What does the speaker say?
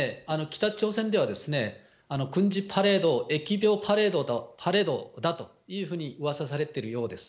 北朝鮮では軍事パレード、疫病パレードだというふうにうわさされてるようです。